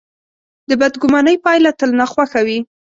د بدګمانۍ پایله تل ناخوښه وي.